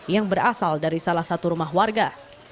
yang berasal dari salah satu rumah warga